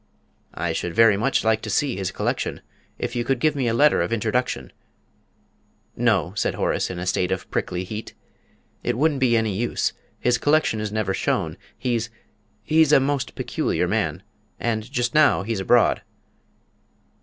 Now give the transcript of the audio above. "I should very much like to see his collection. If you could give me a letter of introduction " "No," said Horace, in a state of prickly heat; "it wouldn't be any use. His collection is never shown. He he's a most peculiar man. And just now he's abroad."